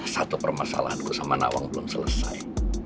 satu permasalahanku sama nak wong belum selesai